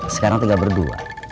sekarang tinggal berdua